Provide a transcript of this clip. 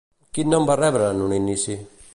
Quin nom va rebre en un inici?